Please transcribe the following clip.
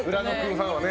ファンはね。